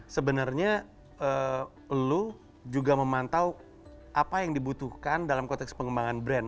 sebenarnya lo juga memantau apa yang dibutuhkan dalam konteks pengembangan brand